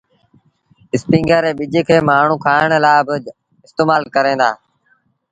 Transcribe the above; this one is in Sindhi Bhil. اسپيٚنگر ري ٻج کي مآڻهوٚٚݩ کآڻ لآ با استمآل ڪريݩ دآ۔